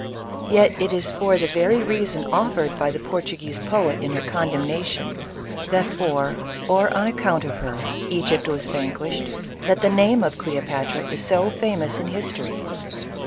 Yet it is for the very reason offered by the Portu guese poet in her condemnation — that for, or on ac count of her, P^gypt was vanquished — that the name of Cleopatra is so famous in history.